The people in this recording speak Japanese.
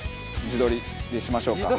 自撮りでしましょうか。